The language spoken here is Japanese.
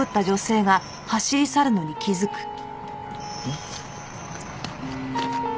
ん？